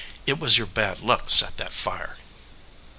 It was your bad luck set that fire."